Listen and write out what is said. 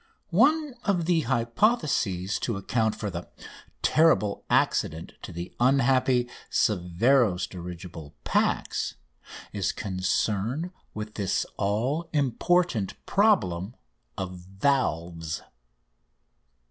One of the hypotheses to account for the terrible accident to the unhappy Severo's dirigible "Pax"[A] is concerned with this all important problem of valves.